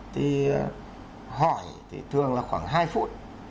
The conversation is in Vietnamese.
thì hỏi thì thường là khoảng hai phút